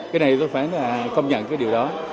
cái này tôi phải là công nhận cái điều đó